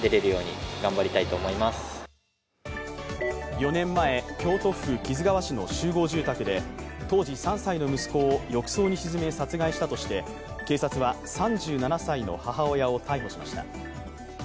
４年前、京都府木津川市の集合住宅で当時３歳の息子を浴槽に沈め殺害したとして警察は２７歳の母親を逮捕しました。